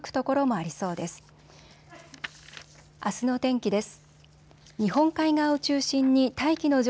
あすの天気です。